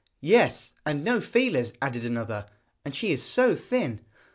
'Yes, and no feelers,' added another; 'and she is so thin!